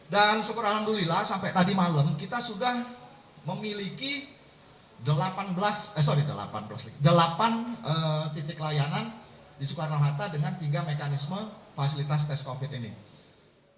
dan sepura alhamdulillah sampai tadi malam kita sudah memiliki delapan belas eh sorry delapan belas delapan titik layanan di soekarno hatta dengan tiga mekanisme fasilitas tes covid ini